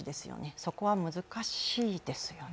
そこは難しいですよね。